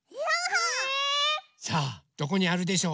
え⁉さあどこにあるでしょう？